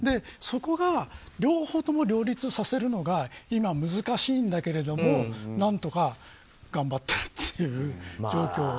そこを両方とも両立させるのが今、難しいんだけれども何とか頑張ってという状況。